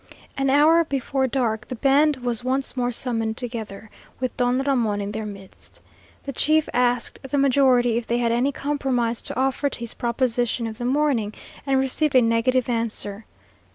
An hour before dark the band was once more summoned together, with Don Ramon in their midst. The chief asked the majority if they had any compromise to offer to his proposition of the morning, and received a negative answer.